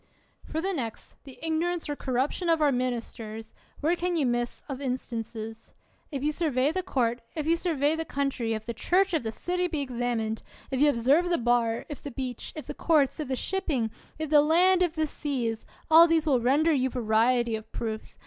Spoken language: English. For the next, the ignorance or corruption of our ministers, where can you miss of instances? If you survey the court, if you survey the coun try, if the church, if the city be examined ; if you observe the bar, if the bench ; if the courts, if the shipping; if ths land, if the seas — all these will render you variety of proofs.